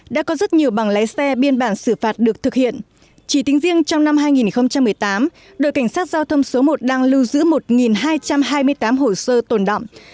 đã có rất nhiều bằng lái xe biên bản xử phạt được thực hiện chỉ tính riêng trong năm hai nghìn một mươi tám đội cảnh sát giao thông số một đang lưu giữ một hai trăm hai mươi tám hồ sơ tồn đọng